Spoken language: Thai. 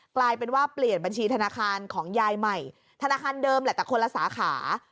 กลายเป็นว่าเปลี่ยนบัญชีธนาคารของยายใหม่ธนาคารเดิมแหละแต่คนละสาขา